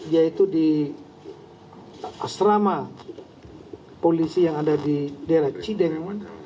yaitu di asrama polisi yang ada di daerah cideng